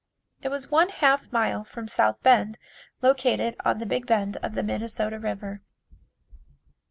It was one half mile from South Bend, located on the big bend of the Minnesota River.